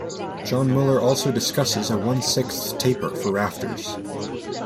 John Muller also discusses a one-sixth taper for rafters.